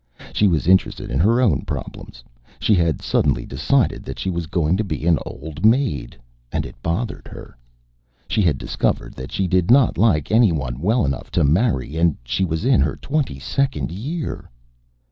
She was interested in her own problems. She had suddenly decided that she was going to be an old maid, and it bothered her. She had discovered that she did not like any one well enough to marry, and she was in her twenty second year.